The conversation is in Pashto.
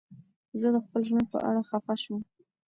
زه د خپل ژوند په اړه خفه شوم.